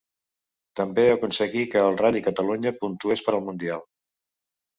També aconseguí que el Ral·li Catalunya puntués per al Mundial.